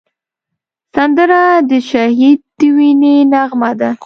سندره د شهید د وینې نغمه ده